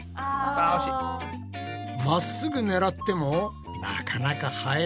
まっすぐ狙ってもなかなか入らないルナ。